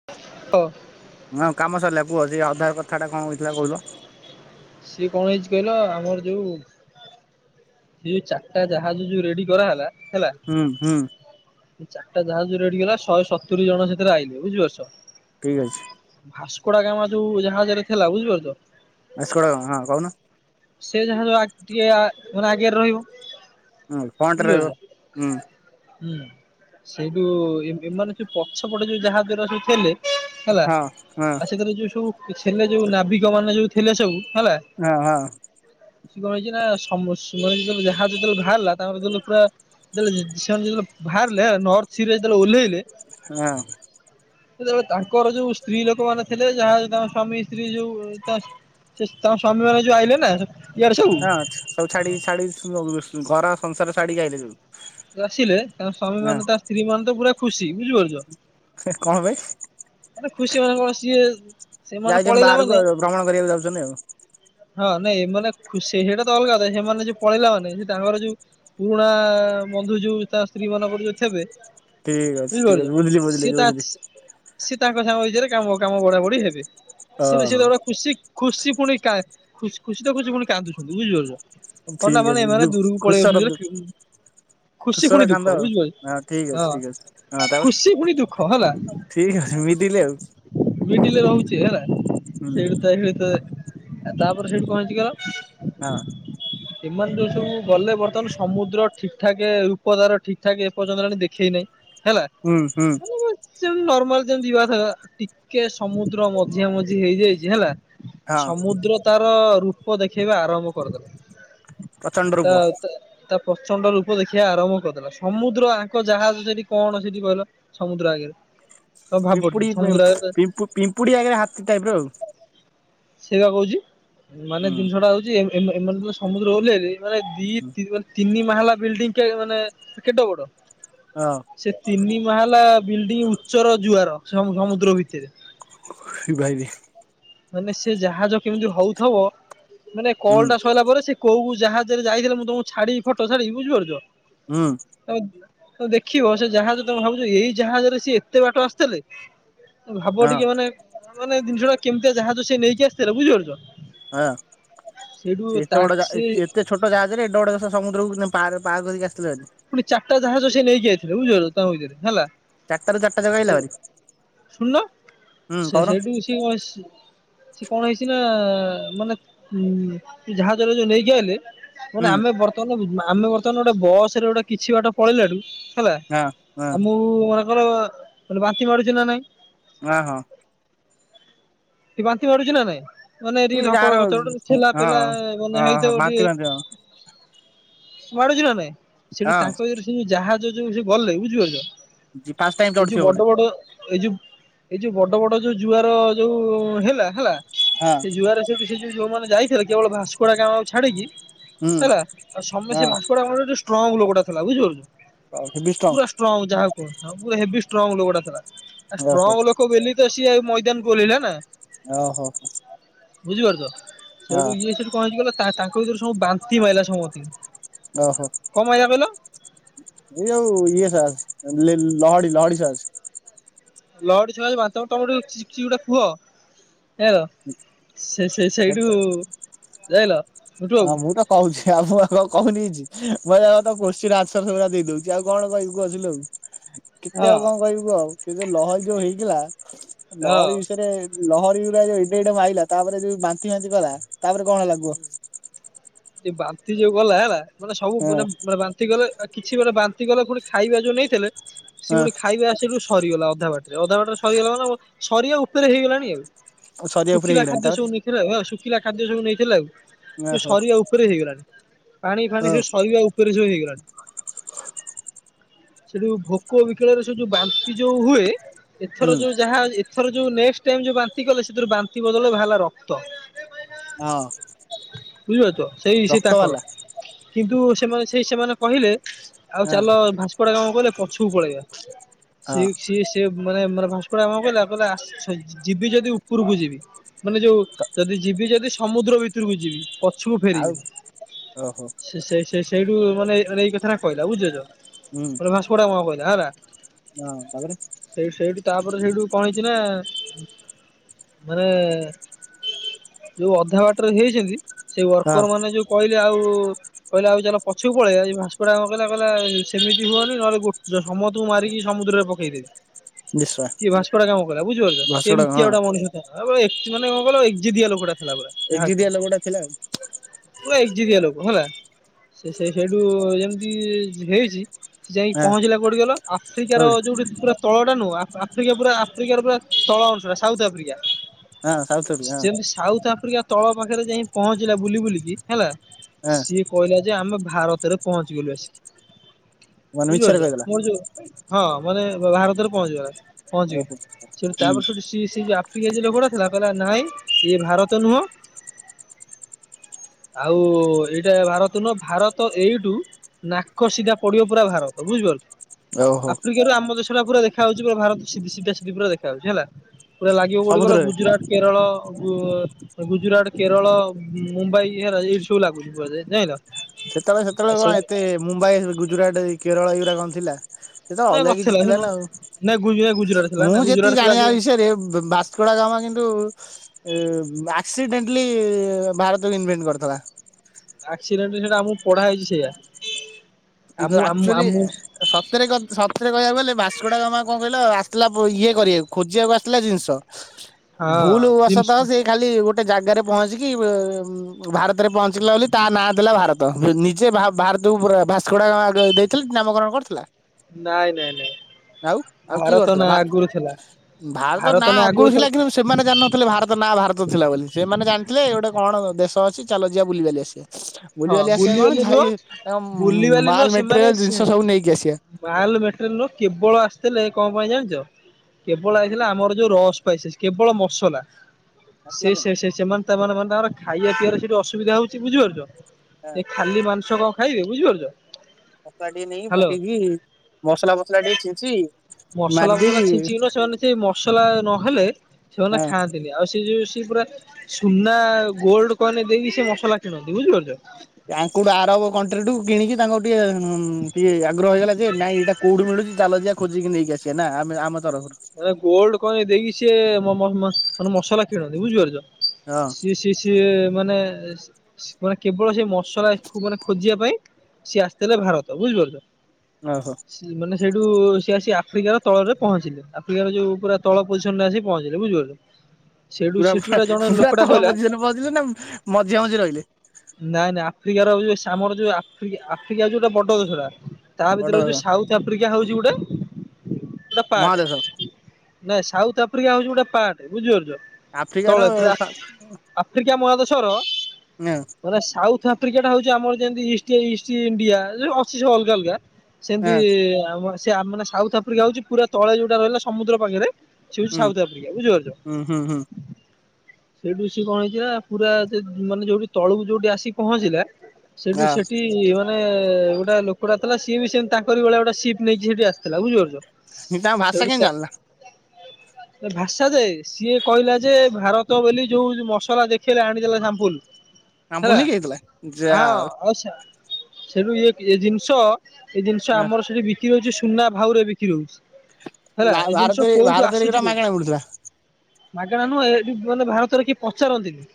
[unintelligible] ହଁ କାମ ସରିଲା କୁଅ ଯେ ଅଧା କଥାଟା କଣ ହେଇଥିଲା କହୁଥିଲ? ସିଏ କଣ ହେଇଚି କହିଲ ଆମର ଯୋଉ ସିଏ ଚାରିଟା ଜାହାଜ ଯୋଉ ରେଡି କରାହେଲା ହେଲା ହୁଁ ହୁଁ। ଚାରିଟା ଜାହାଜ ରେଡି କରାଗଲା ଶହେ ସତୁରି ଜଣ ସେଥିରେ ଆଇଲେ ବୁଝିପାରୁଚ। ଠିକ୍ ଅଛି। ଭାସ୍କଡୋଗାମା ଯୋଉ ଜାହାଜରେ ଥିଲା ବୁଝିପାରୁଚ ଭାସ୍କଡୋଗାମା ହଁ କହୁନ ସେ ଜାହାଜ‌ ଟିକେ ମାନେ ଆଗେରେ ରହିବ ହୁ ଫଣ୍ଟ୍ରେ ବୁଝିପାରୁଛ ରହିବ ହୁଁ। ହୁଁ ସେଇଠୁ ଏମାନେ ସେ ପଛପଟେ ଯୋଉ ଜାହାଜ ଗୁରା ସବୁ ଥିଲେ ହେଲା ହଁ ହଁ ଆଉ ସେଥିରେ ଯୋଉ ସବୁ ଥିଲେ ଯୋଉ ନାଭିକ ମାନେ ଯୋଉ ଥିଲେ ସବୁ ହେଲା ହଁ ହଁ। ସେ କଣ ହେଇଚିନା ସମ ମାନେ ଯେତେବେଳେ ଜାହାଜ ଯେତେବେଳେ ବାହାରିଲା ତାଙ୍କର କିନ୍ତୁ ପରା ଯେତେବେଳେ ସେମାନେ ଯେତେବେଳେ ବାହାରିଲେ ନର୍ଥସିରେ ଯେତେବେଳେ ଓଲ୍ହେଇଲେ ହଁ ସେତେବେଳେ ତାଙ୍କର ଯୋଉ ସ୍ତ୍ରୀ ଲୋକମାନେ ଥିଲେ ଯାହା ତାଙ୍କ ସ୍ଵାମୀ ସ୍ତ୍ରୀ ଯୋଉ ସେ ତାଙ୍କ ସ୍ୱାମୀ ମାନେ ଯୋଉ ଆଇଲେନା ହଁ ସବୁ ଛାଡ଼ିକି ଛାଡ଼ି ଘର ସଂସାର ଛାଡ଼ିକି ଆଇଲେ ଯୋଉ ଯୋଉ ଆସିଲେ ତାଙ୍କ ସ୍ୱାମୀମାନେ ତାର ସ୍ତ୍ରୀ ମାନେତ ପୁରା ଖୁସି ବୁଝିପାରୁଚ ହେ କଣ ପାଇଁ? ମାନେ ଖୁସି ମାନେ କଣ ସିଏ ସେମାନେ ଯାଇଛନ୍ତି ପଳେଇଲା ବାହାରକୁ ମାନେ ଆଉ ଭ୍ରମଣ କରିବାକୁ ଯାଉଛନ୍ତି ଆଉ ହଁ ନାଇଁ ଏମାନେ ଖୁସି ସେଇଟା ତ ଅଲଗା କଥା ସେମାନେ ଯୋଉ ପଳେଇଲା ମାନେ ସେ ତାଙ୍କର ଯୋଉ ପୁରୁଣା ବନ୍ଧୁ ଯୋଉ ତା ସ୍ତ୍ରୀ ମାନଙ୍କର ଥେବେ। ଠିକ ଅଛି ଠିକ ଅଛି ବୁଝିପାରୁଛ ବୁଝିଲି ବୁଝିଲି ସିଏ ତା ବୁଝିଲି ସ୍ ସିଏ ତାଙ୍କ ସାଙ୍ଗ ଭିତରେ କାମ କାମ ବଢା ବଢି ହେବେ ସିଏ ତ ସିଏ ହଁ ତ ଗୋଟେ ଖୁସି ଖୁସି ପୁଣି କାଏ ଖୁସ୍ ଖୁସି ତ ଖୁସି ପୁଣି କାନ୍ଦୁଚନ୍ତି ବୁଝିପାରୁଛ। କଣ ନା ଠିକ କଣ ଅଛି ଏମାନେ ଦୁ ଦୂରକୁ ଖୁସର ପଳେଇଯାଇଉଛନ୍ତି ଦୁ [unintelligible] ଖୁସି ଖୁସର ପୁଣି ଦୁଃଖ କାନ୍ଦ ବୁଝିପାରୁଚୁ ହଁ ଠିକ ଅଛି ଠିକ ଅଛି ହଁ ତାପରେ ଖୁସି ପୁଣି ଦୁଃଖ ହେଲା। ଠିକ ଅଛି ମିଡିଲ ଆଉ। ମିଡିଲ୍ ରେ ରହୁଛି ହେଲା ହୁଁ ସେଇଠୁ ତ ଆଉ ତାପରେ ସେଇଠୁ କଣ ହେଇଚି କହିଲ ହଁ। ଏମାନେ ଯୋଉ ସବୁ ଗଲେ ବର୍ତ୍ତମାନ ସମୁଦ୍ର ଠିକ ଠାକ ରୂପ ତାର ଠିକ୍ ଠାକ ଏପର୍ଯ୍ୟନ୍ତ ହେଲାଣି ଦେଖେଇ ନେଇ। ହେଲା। ହୁଁ ହୁଁ। [inaudible] ନର୍ମାଲ ଯେମିତି ଯିବା କଥା ଟିକେ ସମୁଦ୍ର ମଝିଆ ମଝି ହେଇଯାଇଚି ହେଲା। ହଁ ସମୁଦ୍ର ତାର ରୂପ ଦେଖେଇବା ଆରମ୍ଭ କରିଦେଲା। ପ୍ରଚଣ୍ଡ ରୂପ ତା ତା ତା ପ୍ରଚଣ୍ଡ ରୂପ ଦେଖେଇବା ଆରମ୍ଭ କରିଦେଲା ସମୁଦ୍ର ଆଙ୍କ ଜାହାଜ ସେଠି କଣ ସେଠି କହିଲ। ସମୁଦ୍ର ଆଗେରେ। ପିମ୍ପୁଡି ପିମ୍ପୁଡି ଆଗରେ ହାତୀ ଟାଇପ୍ ର ଆଉ। ସେଇଟା କହୁଛି ମାନେ ଜିନିଷ ହୁଁ। ଟା ହଉଛି ଏ ଏ ଏ ଏମାନେ ଯେତେବେଳେ ସମୁଦ୍ରକୁ ମାନେ ଦି ମାନେ ତିନି ମାହଲା ବିଲ୍ଡିଂ ମାନେ କେଡେ ବଡ। ହଁ ସେ ତିନି ମାହଲା ବିଲ୍ଡିଂ ଉଚ୍ଚର ତାର ସମୁ ସମୁଦ୍ର ଭିତରେ। ଫ୍ରି ଫାୟାର ମାନେ ସେ ଜାହାଜ କେମିତି ହଉଥିବ ମାନେ ହୁଁ କଲ୍ ଟା ସଇଲା ପରେ ସେ କୋଉ ଜାହାଜରେ ଯାଇଥିଲେ ମୁଁ ତମକୁ ଛାଡିବି ଫଟୋ ଛାଡିବି ବୁଝିପାରୁଛ। ହୁଁ। ତମେ ଦେଖିବ ସେ ଜାହାଜ ତମେ ଭାବୁଛ ଏଇ ଜାହାଜରେ ସସେ ଏତେ ବାଟ ଆସ୍ଥିଲେ। ଭାବ ହଁ ଟିକେ ମାନେ ମାନେ ଜିନିଷ ଟା କେମିତିଆ ଜାହାଜ ସେ ନେଇକି ଆସିଥିଲେ ବୁଝିପାରୁଛ। ଆଁ ସେଇଠୁ ସେ ତା ଏତେବଡ଼ ଏ ସିଏ ଏତେ ଛୋଟ ଜାହାରେ ଏତେବଡ଼ ସମୁଦ୍ରକୁ ପାର କରିକି ଆସିିଲଣି। ପୁଣି ଚାରିଟା ଜାହାଜ ସେ ନେଇକି ଆଇଥିଲେ ବୁଝିପାରୁଛ ତାଙ୍କ ଭିତରେ ହେଲା। ଚାରିଟା ରୁ ଚାରିଟା ଯାକ ଆଇଲା ସେ ଭାରି ଶୁଣୁନ ହୁଁ ସେ କହୁନ ସେଇଠୁ ସେ ବସ୍ ସେ କଣ ହେଇଛି ନା ମାନେ ଉ ଜାହାଜରେ ଯୋଉ ନେଇକି ଆଇଲେ। ହୁଁ ମାନେ ଆମେ ବର୍ତ୍ତମାନ୍ ଆମେ ବର୍ତ୍ତମାନ୍ ଗୋଟେ ବସ ରେ ଗୋଟେ କିଛି ବାଟ ପଳେଇଠୁ ହେଲା ହଁ ହଁ ଆମକୁ ମନେକର ବାନ୍ତି ମାଡୁଚି ନା ନାଇଁ? ନା ହଁ। ଟିକ ବାନ୍ତି ମାଡୁଚି ନା ନାଇଁ ମାନେ ଟିକେ ଏ ଯାହାର ଧକଡ କଚଡ ହଁ। ଠେଲା ହଁ ପେଲା ମାନେ ହଁ ହେଇଥିବ ବାନ୍ତି ଟିକେ ବାନ୍ତି ହଁ ମାଡୁଛି ନା ନାହିଁ ସେଠି ତାଙ୍କ ଭିତରେ ସେ ଯଉ ଜାହାଜ ଯୋଉ ସେ ଗଲେ ବୁଝିପାରୁଛ ଫାଷ୍ଟ ଟାଇମ ଏ ଯୋଉ ଚଢିଥିବ ବୋଧେ ବଡ ବଡ ଏଇ ଯୋଉ ଏଇ ଯୋଉ ବଡ ବଡ ଯୋଉ ଜୁଆର ଯୋଉ ହେଲା ହେଲା। ହଁ। ସେ ଜୁଆର ସେ ଯ ଯୋଉମାନେ ଯାଇଥିଲେ କେବଳ ଭାସ୍କୋଡାଗାମାକୁ ଛାଡିକି ହୁଁ ହେଲା ଆଉ ସମସ୍ତେ ହଁ। ଭାସ୍ ସ୍କୋଡାଗାମା ଗୋଟେ ଷ୍ଟ୍ରଙ୍ଗ ଲୋକ ଟା ଥିଲା ବୁଝିପାରୁଛ ପୁରା ଷ୍ଟ୍ରଙ୍ଗ ଯାହାକୁ ହେଭି ଷ୍ଟ୍ରଙ୍ଗ ଲୋକଟା ଥିଲା ଆଉ ଓହୋ ଷ୍ଟ୍ରଙ୍ଗ ଲୋକ ବୋଲି ତ ସିଏ ଆଉ ମଇଦାନକୁ ଓହ୍ଲେଇିଲା ନା। ଓ ହୋ। ବୁଝିପାରୁଛ ସେଇଠୁ ଇଏ ସେଠୁ କଣ ହେଇଛି କହିଲ ତା ତାଙ୍କ ଭିତରୁ ସବୁ ବାନ୍ତି ମାଇଲା ସମସ୍ତିଙ୍କୁ, ଓ ହୋ, ଏଇ ଯୋଉ ଇଏ ଟା ଲେଲ୍ ଲହଡ଼ି-ଲହଡ଼ି ସାସ୍ ଲହଡ଼ି ଛୁଆ ଏବେ ଭାତ ତଳି କିଛି ଗୋଟେ କୁହ, ହେଲୋ ସେ-ସେ ସେଇଠୁ ଯାଇଲ, ମିଠୁ ହଁ ବାବୁ ମୁଁ ତ କହୁଛି ଆମ ଆଗ କହୁନି କିଛି, [unintelligible] କୋଚିଂ ଆନ୍ସର ସେଇଭଳିଆ ଦେଇ ଦଉଛି ଆଉ କଣ କହିବୁ ଆସିଲୁ ଆଉ, ହଁ କେତେ ଆଉ କଁ କହିବୁ କ ଆଉ କି ଯୋଉ ଲହରୀ ଯୋଉ ହେଇଥିଲା ହଁ ଲହରୀ ବିଷୟରେ, ଲହରୀ ଗୁୁରା ଯୋଉ ଏଡେ-ଏଡେ ମାଇଲା ତାପରେ ଯୋଉ ବାନ୍ତି ଫାନ୍ତି କଲା ତାପରେ କଣ ହେଲା କୁହ, ବାନ୍ତି ଯୋଉ କଲା ହେଲା ମାନେ ସବୁ ହଁ ମାନେ ବା ତିକଲେ କିଛି ଗୋଟେ ବାନ୍ତି କଲେ ପୁଣି ଖାଇବା ଯୋଉ ନେଇଥିଲେ ସେଉଣି ଖାଇବା, ସେଠୁ ସରିଗଲା ଅଧା ବାଟ ରେ ଅଧା ବାଟ ରେ ସରିଗଲା ମାନେ ସରିବା ଉପରେ ହେଇଗଲାଣି ଆଉ, ହଁ ସରିବା ଉପରେ ଶୁଖିଲା ହେଇଗଲାଣି ଖାଦ୍ୟ ସବୁ ତାପରେ ନେଇଥିଲେ ହ ଶୁଖିଲା ଖାଦ୍ୟ ସବୁ ନେଇଥିଲେ ଆଉ, ନିଆଁ ହୋ, ତୋର ହେଇଗଲାଣି ପାଣି ଫାଣି ସେ ସରିବା ଉପରେ ସବୁ ହେଇଗଲାଣି, ସେଠୁ ଭୋକ ବିକଳରେ ସେ ଯୋଉ ବାନ୍ତି ଯୋଉ ହୁଏ ଏଥର ହୁଁ ଯୋଉ ଯାହା ଏ ଥର ଯୋଉ ନେଷଟ ଟାଇମ୍ ଯୋଉ ବାନ୍ତି କଲେ ସେଥିର ବାନ୍ତି ବଦଳରେ ବାହାରିଲା ରକ୍ତ, ହଁ, ବୁଝିପାରୁଛ ସେଇ ସେ ରକ୍ତ ତାଙ୍କର ବାଲା କିନ୍ତୁ ସେମାନେ ସେଇ ସେମାନେ କହିଲେ, ଆଉ ହଁ ଚାଲ ଭାସ୍କୋଡାଗାମା କହିଲେ ପଛକୁ ପଳେଇବା ହଁ ସି ସିଏ ସି ସେ ମାନେ-ମାନେ ଭାସ୍କୋଡାଗାମା କହିଲା-କହିଲା [unintelligible] ଯିବି ଯଦି ଉପରକୁ ଯିବି, ମାନେ ଯୋଉ ଯଦି ଯିବି ଯଦି ସମୁଦ୍ର ଭିତରକୁ ଯିବି ପ ଆଉ ଓହୋ, ସେ-ସେ-ସେ ସେଇଠୁ ମାନେ ଏଇ-ଏଇ କଥାଟା କହିଲା ବୁଝୁଛ? ହୁଁ, [unintelligible] କଁ କହିଲ ହେଲା, ହଁ ତାପରେ? ସେଇଠୁ-ସେଇଠୁ ତାପରେ ସେଇଠୁ କଣ ହେଇଛି ନା, ମାନେ ଯୋଉ ଅଧା ବାଟରେ ହେଇଛନ୍ତି ସେଇ ହଁ ୱର୍କର ମାନେ, ଯୋଉ କହିଲେ ଆଉ, କହିଲେ ଆଉ ଚାଲ ପଛକୁ ପଳେ ଏଇ ଭାସୁଡା କହିଲା-କହିଲା ସେମି ହୁଅନି ନହେଲେ ଗୋ ଜଷ୍ଟ୍, ସମତକୁ ମାରିକି ସମୁଦ୍ରରେ ପକେଇଦେବି, ବିଶ୍ଵା କି ବାସ୍କଟାଗ୍ରାମ କର ବୁଝିପାରୁଛ ଘସଡା ହଁ ସେମିତିଆଟେ ମଣିଷ, [unintelligible] ଏତିକ ମାନ କଁ କହିଲ ଏଯିଦିଆ ଲୋକଟା ଥିଲା ପରା ଯାହା କଣ, କୋଉଟା ଥିଲା? ପୁରା ଏଯିରିଆ ଲୋକ ହେଲା ସେ-ସେ ସେଇଠୁ ଯେମିତି ହେଇଛି, ସେ ଯାଇକି ହଁ ପହଞ୍ଚିଲା କୋଉଠି ଗଲ ଆଫ୍ରିକାର କୋଉଠି ଯୋଉଠି ପୁରା, ତଳ ଟା ନୁହଁ ଅଫ୍ ଆଫ୍ରିକା ପୁରା ଆଫ୍ରିକାର ପୁରା ତଳଟା ସାଉଥ୍ ଆଫ୍ରିକା, ହଁ ସାଉଥୁରୁ ହଁ ଯେମିତି ସାଉଥ୍ ଆଫ୍ରିକା, ତଳ ପାଖରେ ଯାଇ ପହଞ୍ଚିଲା ବୁଲି ବୁଲିକି ହେଲା ହଁ ସିଏ, କହିଲା ଯେ ଆମେ ଭାରତରେ ପହଞ୍ଚିଗଲୁ ଆସିକି ମାନେ ମିଛରେ ବୁଝିପାରୁଛ କହିଦେଲା ମୋର ଯୋଉ, ହଁ ମାନେ ଭାରତରେ ପହଞ୍ଚିବ ପହଞ୍ଚିବି ଓହୋ। ସେଠୁ ହୁଁ ତାପରେ ସେଠି ସିଏ-ସିଏ ଯେ ଆପ୍ ଧିରେ-ଧିରେ ଘୋଡ଼ା ଥିଲା କହିଲ ନାଇଁ ଇଏ ଭାରତ ନୁହଁ, ଆଉ ଏଇଟା ଭାରତ ନୁହ ଭାରତ ଏଇଠୁ, ନାକ ସିଧା ପଡ଼ିବ ପୁରା ଭାରତ ବୁଝିପାରୁଛ, ଓହୋ ଆଫ୍ରିକା ରୁ ଆମ ଦେଶଟା ପୁରା ଦେଖାହାଉଛି ପୁରା ଭାରତ ସିି ସିଧା ସିଧି ପୁରା ଦେଖାଯାଉଛି ହେଲା। ପୁରା ଲାଗିବ କୋଉଠି କହିଲ ସମୁଦ୍ରରେ ଗୁଜୁରଟ କେରଳ ଗୁଜୁରାଟ କେରଳ ମୁମ୍ବାଇ। ଇ ସବୁ ଲାଗୁଛି କୁହାଯାଏ ଯାଇଲ। ସେତେବେଳେ ସେତେବେଳେ କଣ ଏତେ ମୁମ୍ବାଇ ଗୁଜୁରାଟ କେରଳ ଏଗୁଡା କଣ ଥିଲା। ସେ ତ ନାଇଁ ଅଲଗା କିଛି ନଥିଲା ଥିଲା ଶୁଣୁ ନା ଆଉ ନାଇଁ ଗୁ ଗୁଜୁରାଟ ଥିଲା ମୁଁ ନା ଗୁଜୁରାଟ ଯେତିକି ଥିଲା ଜାଣିବା ସେ ବିଷୟରେ ଭସ୍କୋଡାଗମା କିନ୍ତୁ ଆକ୍ସିଡେଣ୍ଟଲି ଭାରତକୁ ଇନଭେଣ୍ଟ କରିଥିଲା। ଆକ୍ଡେଣ୍ଟଲି ସେଟା ଆମକୁ ପଢା ହେଇଛି ସେଇଆା କିନ୍ତୁ ଆମ ଆମ ଆକ୍ଚୁଆଲି ଆମ। ସତରେ ସତରେ କହିବାକୁ ଗଲେ ଭସ୍କୋଡାଗାମ ମା କଣ କହିଲ ଆସିଲା ଇଏ କରିବାକୁ ଖୋଜିବାକୁ ଆସିଥିଲା ଜିନିଷ। ହଁ ଭୁଲ ଜିମ୍ସ ବଶତଃ ସେ। ଖାଲି ଗୋଟେ ଜାଗାରେ ପହଞ୍ଚିକି ଭାରତରେ ପହଞ୍ଚିଲା ବୋଲି ତା ନାଁ ଦେଲା ଭାରତ। ତ ନିଜେ ଭାରତକୁ ଭାସ୍କଡା ଦେଇଥିଲେ ନାମକରଣ କରିଥିଲା। ନାଇଁ ନାଇଁ ନାଇଁ। ଆଉ ଆଉ କିଏ ଭାରତ କରୁଥିଲା ନା ଆଗରୁ ଥିଲା ଭାରତ ନାଁ ଆଗରୁ ଥିଲା କିନ୍ତୁ ସେମାନେ ଜାଣିନଥିଲେ ଭାରତ ନାଁ ଭାରତ ଥିଲା ବୋଲି ସେମାନେ ଜାଣିଥିଲେ ଏ ଗୋଟେ କଣ ଦେଶ ଅଛି ଚାଲ ଯିବା ବୁଲିିବାଲି ଆସିବା। ଆ ହଁ ବୁଲିିବାଲି ଆସିବା କଣ ବୁଲିବାଲି ନୁହଁ ଯାଇ ବୁଲିବାଲି ମାଲ ନୁହଁ ସେମାନେ ମେଟେରିଆଲ ସେ ଜିନିଷ ସବୁ ନେଇକି ଆସିବା। ମାଲ ମଟେରିଆଲ ନୁହ କେବଳ ଆସିଥିଲେ କଣ ପାଇଁ ଜାଣିଛ କେବଳ ଆସିିଥିଲେ ଆମର ଯୋଉ ରସ କେବଳ ମସଲା ମସଲା ସେ ପାଇଁ ସେ ସେ ସେମାନେ ତାମାନେ ମାନେ ତାଙ୍କର ଖାଇବା ପିଇବା ସେଠି ଅସୁବିଧା ହଉଛି ବୁଝିପାରୁଛ। ଏ ଖାଲି ମାଂସ କଣ ଖାଇବେ ବୁଝିପାରୁଛ। ମସଲା ଟିକେ ନେଇକି ହ୍ୟାଲୋ ପକେଇକି ମସଲା ଫସଲା ଟିକେ ଛିଞ୍ଚି ମସଲା ଫସଲା ମାରିଦେଇକି ଛିଞ୍ଚିକି ନୁହଁ ସେମାନେ ସେ ମସଲା ନହେଲେ ସେମାନେ ଖାଆନ୍ତିନି ଆଉ ସେ ଯୋଉ ସେ ପୁରା ସୁନା ଗୋଲ୍ଡ କଏନ ଦେଇି ସେ ମସଲା କିଣନ୍ତି ବୁଝିପାରୁଛ। ତାଙ୍କୁ ଆରବ କଣ୍ଟରୀ କିଣିକି ତାଙ୍କ ଟିକେଁ ଟିକେ ଆଗ୍ରହ ହେଇଗଲା ଯେ ନାଇଁ ଏଇଟା କୋଉଠି ମିଳୁଛି ଚାଲ ଜିଆ ଖୋଜିକି ନେଇକି ଆସିବା ନା ଆମେ ଆମ ତରଫରୁ ମାନେ ଗୋଲଡ କଏନେ ଦେଇକି ସିଏ ମାନେ ମସଲା କିଣନ୍ତି ବୁଝିପାରୁଛ ହଁ ସି ସି ସି ସଏ ମାନେ। ମାନେ କେବଳ ସେ ମସଲାକୁ ମାନେ ଖୋଜିବା ପାଇଁ ସିଏ ଆସିଥିଲେ ଭାରତ ବୁଝିପାରୁଛ। ଓହୋ ମାନେ ସେଇଠୁ ସିଏ ଆସିକି ଆଫ୍ରିକାର ତଳରେ ପହଞ୍ଚିଲେ। ଫ୍ରିକାର ଯୋଉ ପୁରା ତଳ ପୋଜିସନରେ ଆସିକି ପହଞ୍ଚିଲେ ବୁଝିପାରୁଛ। ପୁରା ପୁ ପୁରା ତଳ କହିଲା ପୋଜିସନରେ ପହଞ୍ଚିଲେ ନା ମଝିଆ ମଝି ରହିଲେ। ନାଇଁ ନାଇଁ ଆଫ୍ରିକାର ଆଉ ସମର ଆମର ଯଉ ଆଫ୍ରିକା ଆଫ୍ରିକା ଯୋଉଟା ବଡ ଦେଶଟା ତା ବଡ ଭିତରେ ହଉଛି ଦେଶ ସାଉଥ ଆଫ୍ରିକା ହଉଛି ଗୋଟେ ଗୋଟେ ପାର୍ଟ ମହାଦେଶ ନାଇଁ ସାଉଥ ଆଫ୍ରିକା ହଉଛି ଗୋଟେ ପାର୍ଟ ବୁଝିପାରୁଛ। ଆଫ୍ରିକାର ତଳେ ପୁରା ସା ଆଫ୍ରିକା ମହାଦେଶର। ଏଁ ମାନେ ସାଉଥ୍ ଆଫ୍ରିକା ଟା ହଉଛି ଆମର ଯେମିତି ଇଷ୍ଟ ଇଷ୍ଟି ଇଣ୍ଡିଆ ଅଛି ସବୁ ଅଲଗା ଅଲଗା। ସେମିତି ଏଁ ଆମର ସେ ମାନେ ସାଉଥ ଆଫ୍ରିକା ହଉଛି ପୁରା ତଳେ ଯୋଉଟା ରହିଲା ସମୁଦ୍ର ପାଖରେ। ସିଏବି ଉଁ ସାଉଥ ଆଫ୍ରିକା ବୁଝୁପାରୁଛ। ଉଁ ହୁଁ ହୁଁ ସେଇଠୁ ସିଏ କଣ ହେଇଛିନା ପୁରା ମାନେ ଯୋଉଠି ତଳକୁ ଯୋଉଠି ଆସିକି ପହଞ୍ଚିଲା। ସେଠୁ ଆ ସେଠି। ମାନେ ଗୋଟେ ଲୋକଟା ଥିଲା ସିଏ ବି ସେମିତି ତାଙ୍କରି ଭଳିଆ ଗୋଟେ ସିପ୍ ନେଇକି ସେଠି ଆସିଥିଲା ବୁଝିପାରୁଛ। ତାଙ୍କ ଭାଷା କେମିତି ଜାଣିଲା। ଏ ଭାଷା ଯେ ସିଏ କହିଲା ଯେ ଭାରତ ବୋଲି ଯୋଉ ମସଲା ଦେଖେଇଲା ଆଣିଥିଲା ସାମ୍ପୁଲ। ହେଲା ଆମ୍ପୁଲ ନେଇକି ଆଇଥିଲା ଯା ହଁ ହଉ ଅସା। ସେଠୁ ଇଏ ଏ ଜିନିଷ ଏ ଜିନିଷ ଏଁ ଆମର ସେଠି ବିକ୍ରି ହଉଛି ସୁନା ଭାଉରେ ବିକ୍ରି ହଉଚି। ଭାର ଭାରତରେ ଭାରତରେ ଆସୁଛି ଏଗୁଡା କୋଉଠୁ ମାଗଣା ମିଳୁଥିଲା। ମାଗଣା ନୁହଁ ଏଠି ମାନେ ଭାରତରେ କିଏ ପଚାରନ୍ତିନି।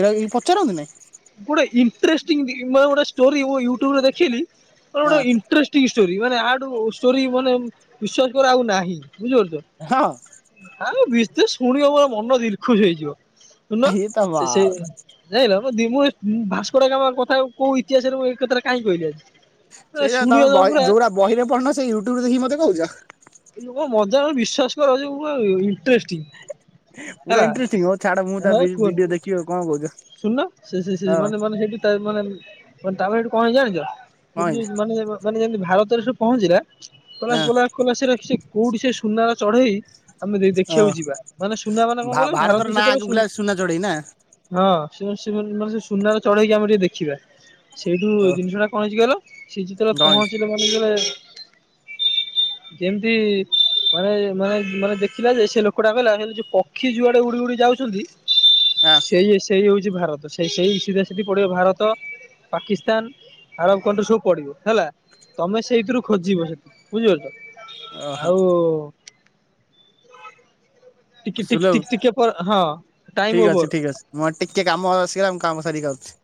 ଏରା କେହି ପଚାରନ୍ତିନି? ଗୋଟେ ଇଣ୍ଟରେଷ୍ଟିଇଂ ଦି ମାନେ ଗୋଟେ ଷ୍ଟୋରୀ ୟୁଟୁବରେ ଦେଖିଲି ମ ଗୋଟେ ଇତେଁରେଷ୍ଟ ଟି ଷ୍ଟୋରୀ ମାନେ ଆଠୁ ଷ୍ଟୋରୀ ମାନେ ବିଶ୍ୱାସ କର ଆଉ ନାହିଁ ବୁଝିପାରୁଛ? ହଁ। ଆଁ [unintelligible] ଶୁଣି ମୋର ମନ ଦିଲ୍ ଖୁସ୍ ହେଇଯିବ ଶୁଣୁନ ଇଏ ତ ସେ ସେ ବାବରେ ଯାଇଲ ମୁ ଡି ଭସ୍କୋଡଗାମା କଥା କୋଉ ଇତିହାସରେ ମୁଁ ଏକଥାରେ କାହିଁକି କହିଲି ଆଜି। ସେଇଟା ଶୁଣିବ ତମେ ବହି ପୁରା ଯଉଟା ବହିରେ ପଢ଼ୁନ ସେ ୟୁଟ୍ୟୁବରେ ଦେଖିକି ମତେ କହୁଚ। ଲୋକ ମଜାରେ ବିଶ୍ଵାସ କର ଯଉ ପୁରା ଇଣ୍ଟରେଷ୍ଟିଂ। ପୁରା ହେଲା ଇଣ୍ଟେର୍ଷ୍ଟିଂ ହଉ ଛାଡ ମୁଁ ତା ଭି- ଭିଡିଓ ଦେଖିବି ଆଉ କଣ କହୁଚ। ଶୁନନ ସେ ସେ ସେ ମାନେ ମାନେ [unintelligible] ତାପରେ ଏଠୁ କଣ ହେଇଚି ଜାଣିଚ କଣ ହେଇଛି [unintelligible] ମାନେ ଯେମିତି ଭାରତରେ ସେ ପହଞ୍ଚିଲା କହିଲା ଏଁ କହିଲା କଲା ସେର ସେ କୋଉଠି ସେ ସୁନାର ଚଢେଇ? ଆମେ ଅଁ ଦେଖିବାକୁ ଯିବା ମାନେ ସୁନା ମାନେ କଣ ଭା କହିଲ ଭାରତର ଭାରତକୁ ନାଁ ସେତବେଳେ ଆଗକୁ ସୁ ଥିଲା ସୁନା ଚଢ଼େଇ ନା? ହଁ ସେ ସେ ମାନେ ସୁନାର ଚଢେଇକି ଆମେ ଟିକେ ଦେଖିବା। ସେଇଠୁ ଓ ଜିନିଷ ଟା କଣ ହେଇଚି କହିଲ ସେ ଯେତେବେଳେ କଣ ହେଇଛି ପହଞ୍ଚିଲେ ମାନେ ଯେ [unintelligible] ଯେମିତି ମାନେ ମାନେ ମାନେ ଦେଖିଲା ଯେ ସେ ଲୋକଟା କହିଲା ହେଲ ସେ ଯୋଉ ପକ୍ଷୀ ଯୁଆଡେ ଉଡି ଉଡି ଯାଉଚନ୍ତି ହାଁ। ଇ ସେଇ ହଉଚି ଭାରତ ସେଇ ସେଇ ସିଧା ସିଧି ପଡିବ ଭାରତ ପାକିସ୍ତାନ୍। ଆରବ କଣ୍ଟ୍ରି ସବୁ ପଡିବ ହେଲା ତମେ ସେଇଥିରୁ ଖୋଜିବ ସେଠି ବୁଝିପାରୁଚ? ଓହୋ ଆଉ ଟିକ୍ ଟିକ୍ ସୁଲଭ ଟିକ୍ ଟିକେ ପରେ ହଁ ଟାଇମ ଠିକ ଅଛି ଓଭର। ଠିକ ଅଛି ମୋର ଟିକେ କାମ ଆସିଗଲା ମୁଁ କାମ ସାରିକି ଆଉଛି।